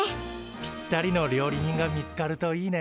ぴったりの料理人が見つかるといいね。